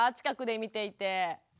近くで見ていて。